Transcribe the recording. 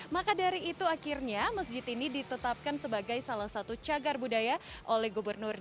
maka dari itu akhirnya masjid ini ditetapkan sebagai salah satu cagar budaya oleh gubernur